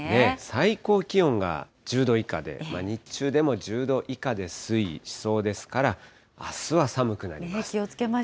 最高気温が１０度以下で、日中でも１０度以下で推移しそうですから、あすは寒くなります。